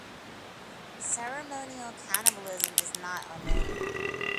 Ceremonial cannibalism is not unknown.